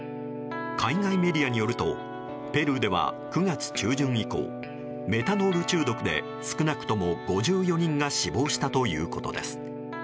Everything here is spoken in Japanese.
海外メディアによるとペルーでは９月中旬以降メタノール中毒で少なくとも５４人が死亡したということです。